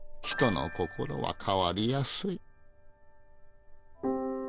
人の心は変わりやすい。